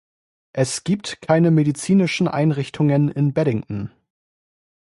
Es gibt keine medizinischen Einrichtungen in Beddington.